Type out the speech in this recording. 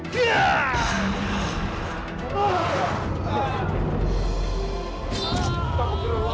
kau pun sama